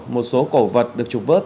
một số cổ vật được trục vớt